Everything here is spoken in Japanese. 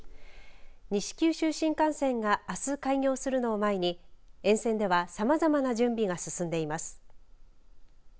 西九州新幹線があす開業するのを前に沿線ではさまざまな準備が進んでいます。